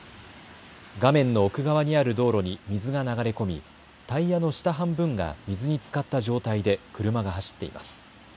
画面の奥側にある道路に水が流れ込み、タイヤの下半分が水につかった状態で車が走っています。